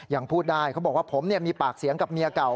ยังพูดได้เขาบอกว่าผมมีปากเสียงกับเมียเก่า